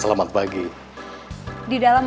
di dalam ada pamanajer yang belum dateng